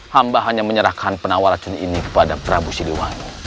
hamba hanya menyerahkan penawar racun ini kepada prabu siliwangi